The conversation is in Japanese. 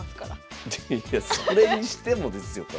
いやそれにしてもですよこれ。